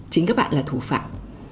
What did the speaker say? chính các bạn là thủ phạm